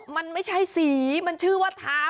มันไม่ใช่สีมันชื่อว่าเท้า